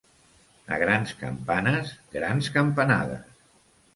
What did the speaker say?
A grans campanes, grans campanades.